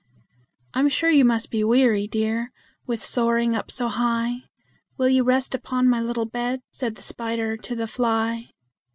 "I'm sure you must be weary, dear, with soaring up so high. Will you rest upon my little bed?" said the spider to the fly.